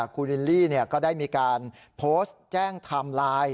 คุณลิลลี่ก็ได้มีการโพสต์แจ้งไทม์ไลน์